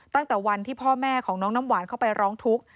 ตั้งแต่วันที่พ่อแม่ของน้องน้ำหวานเข้าไปร้องทุกข์